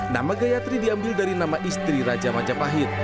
nama gayatri diambil dari nama istri raja majapahit